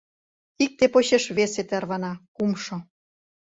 Икте почеш весе тарвана, кумшо...